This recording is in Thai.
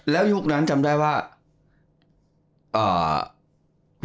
แล้วยุคนั้นจำได้ว่าอ่า